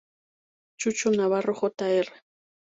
Chucho Navarro Jr.